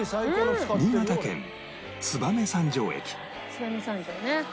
燕三条ね。